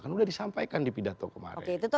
kan sudah disampaikan di pidato kemarin